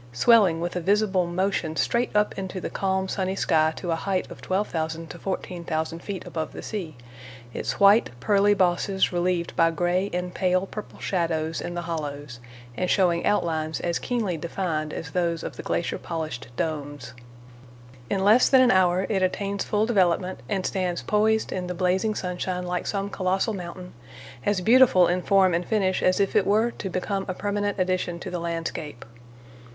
swelling with a visible motion straight up into the calm, sunny sky to a height of 12,000 to 14,000 feet above the sea, its white, pearly bosses relieved by gray and pale purple shadows in the hollows, and showing outlines as keenly defined as those of the glacier polished domes. In less than an hour it attains full development and stands poised in the blazing sunshine like some colossal mountain, as beautiful in form and finish as if it were to become a permanent addition to the landscape.